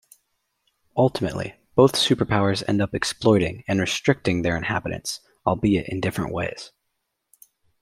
Ultimately, both superpowers end up exploiting and restricting their inhabitants, albeit in different ways.